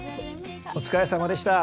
お疲れさまでした。